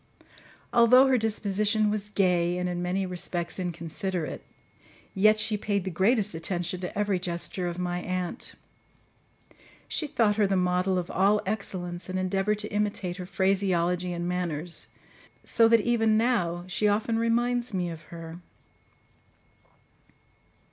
Although her disposition was gay and in many respects inconsiderate, yet she paid the greatest attention to every gesture of my aunt. She thought her the model of all excellence and endeavoured to imitate her phraseology and manners, so that even now she often reminds me of her.